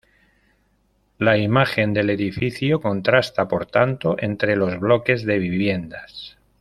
La imagen del edificio contrasta por tanto entre los bloques de viviendas.